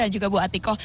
dan juga bu atiko